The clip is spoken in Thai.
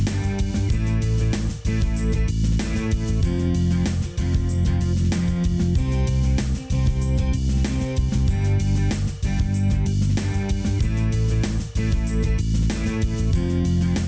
อะไรนะคะคุณหมอ